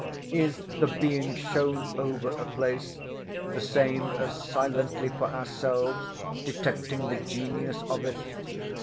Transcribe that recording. Is the being shown over a place the same as silently for ourselves detecting the genius of it?